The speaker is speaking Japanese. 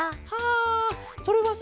あそれはさ